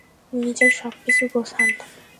নিজের সবকিছু গোছান।